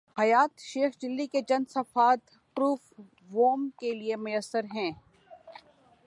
حیات شیخ چلی کے چند صفحات پروف دوم کے لیے میسر ہیں۔